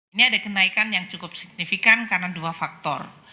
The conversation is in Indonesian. ini ada kenaikan yang cukup signifikan karena dua faktor